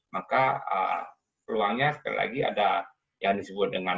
maka peluangnya sekali lagi ada yang disebut dengan